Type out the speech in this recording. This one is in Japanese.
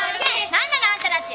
何なのあんたたち！